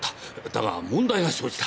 だが問題が生じた。